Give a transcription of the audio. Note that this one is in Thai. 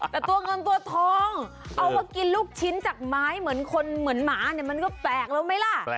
แต่ตัวเงินตัวทองเอาว่ากินลูกชิ้นจากไม้เหมือนคนเหมือนหมาเนี่ยมันก็แปลกแล้วไหมล่ะ